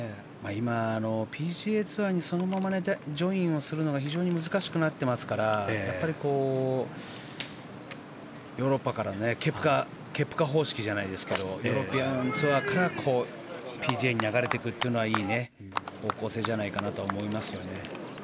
今、ＰＧＡツアーにそのままジョインするのは非常に難しくなっていますからやっぱりケプカ方式じゃないですけどヨーロピアンツアーからＰＧＡに流れていくのはいい方向性だと思います。